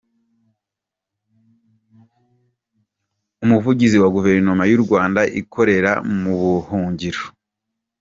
Umuvugizi wa Guverinoma y’u Rwanda ikorera mu buhungiro